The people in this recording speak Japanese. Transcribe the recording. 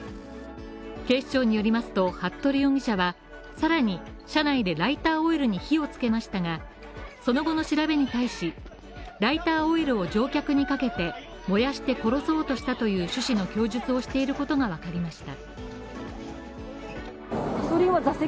警視庁によりますと服部容疑者はさらに、車内でライターオイルに火をつけましたがその後の調べに対し、ライターオイルを乗客にかけて燃やして殺そうとしたという趣旨の供述をしていることがわかりました。